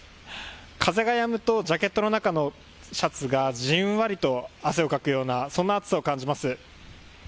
風がやむとジャケットの中のシャツがじんわりと汗をかくようなそんな暑さを感じます。